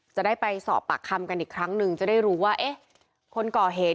จะได้ไปสอบปากคำกันอีกครั้งหนึ่งจะได้รู้ว่าเอ๊ะคนก่อเหตุ